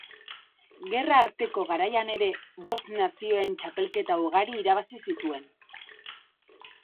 Gerra arteko garaian ere Bost Nazioen Txapelketa ugari irabazi zituen.